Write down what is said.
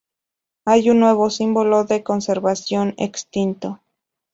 Hay un nuevo símbolo de conservación: Extinto